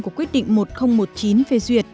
của quyết định một nghìn một mươi chín phê duyệt